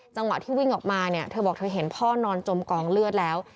จังหวะที่วิ่งออกมาเนี่ยเธอบอกเธอเห็นพ่อนอนจมกองเลือดแล้ว